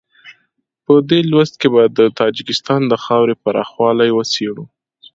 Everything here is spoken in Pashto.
په دې لوست کې به د تاجکستان د خاورې پراخوالی وڅېړو.